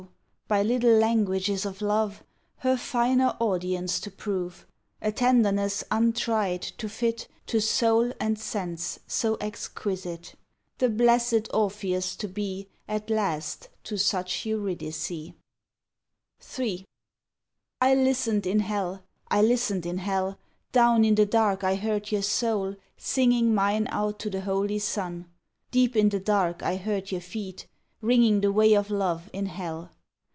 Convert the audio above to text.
By little languages of love Her finer audience to prove; A tenderness untried, to fit To soul and sense so exquisite; The blessed Orpheus to be At last, to such Eurydice! III. I listened in hell! I listened in hell! Down in the dark I heard your soul Singing mine out to the holy sun. Deep in the dark I heard your feet Ringing the way of Love in hell.